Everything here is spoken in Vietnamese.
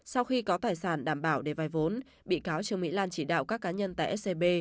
sau khi có tài sản đảm bảo để vai vốn bị cáo trương mỹ lan chỉ đạo các cá nhân tại scb